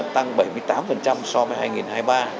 tăng bảy mươi tám so với hai nghìn hai mươi ba